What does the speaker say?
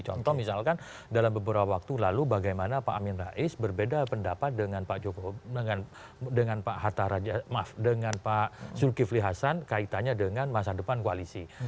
contoh misalkan dalam beberapa waktu lalu bagaimana pak amin rais berbeda pendapat dengan pak jokowi dengan pak hatta raja maaf dengan pak zulkifli hasan kaitannya dengan masa depan koalisi